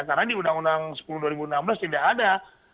karena di undang undang sepuluh dua ribu enam belas tidak ada